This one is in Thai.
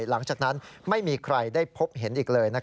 หลังจากนั้นไม่มีใครได้พบเห็นอีกเลย